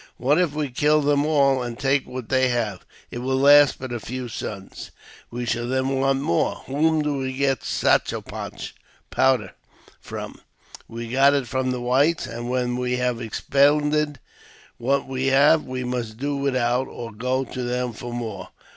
What if we kill them all, and take what they have ? It will last but a few suns ; we shall then want more. Whom do we get sach o pach (powder) from ? We get it from the whites ; and when we have expended what we have, we must do without, or go to them for more.